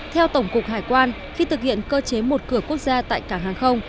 theo tổng cục hải quan khi thực hiện cơ chế một cửa quốc gia tại cảng hàng không